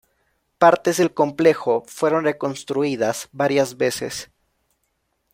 Partes del complejo fueron reconstruidas varias veces.